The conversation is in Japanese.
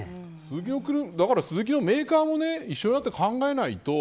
だからスズキのメーカーも一緒になって考えないと。